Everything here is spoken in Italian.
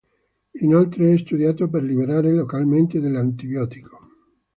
Inoltre è studiato per liberare localmente dell'antibiotico.